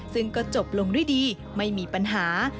ซึ่งก็จบลงด้วยดีไม่มีปัญหา